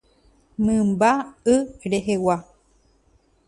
Mymba y rehegua